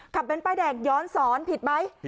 เบ้นป้ายแดงย้อนสอนผิดไหม